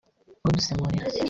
udusemurire